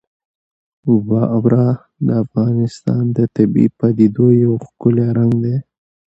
واوره د افغانستان د طبیعي پدیدو یو ښکلی رنګ دی.